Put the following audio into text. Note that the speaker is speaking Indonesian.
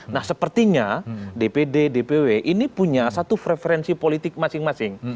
nah sepertinya dpd dpw ini punya satu preferensi politik masing masing